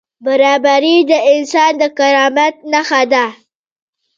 برابري د انسان د کرامت نښه ده.